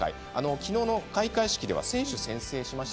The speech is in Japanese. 昨日の開会式では選手宣誓をしました。